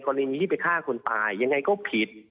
อ้วนผิดในกรณีที่ไปฆ่าคนตายยังไงก็ผิด